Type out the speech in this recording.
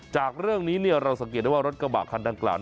จากเรื่องนี้เราสังเกตได้ว่ารถกระบะคันดังกล่าว